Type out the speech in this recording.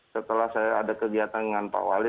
setelah saya ada kegiatan dengan pak wali